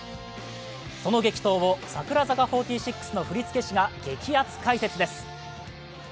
その激闘を櫻坂４６の振り付け師が激アツ解説です。